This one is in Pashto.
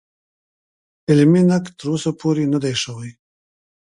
علمي نقد تر اوسه پورې نه دی شوی.